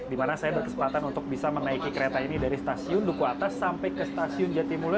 di mana saya berkesempatan untuk bisa menaiki kereta ini dari stasiun duku atas sampai ke stasiun jatimula